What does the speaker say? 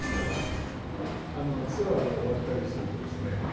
ツアーが終わったりするとですね